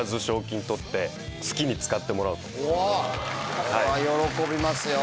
それは喜びますよ。